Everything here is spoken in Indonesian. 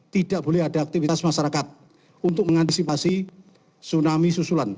tidak boleh ada aktivitas masyarakat untuk mengantisipasi tsunami susulan